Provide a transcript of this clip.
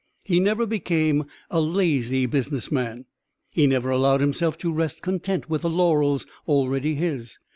He never became a lazy business man. He never allowed himself to rest content with the laurels already his.